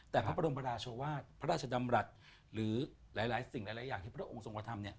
แต่พระบรมราชวาสพระราชดำรัฐหรือหลายสิ่งหลายอย่างที่พระองค์ทรงกระทำ